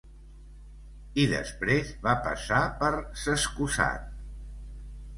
I després va passar per s'escusat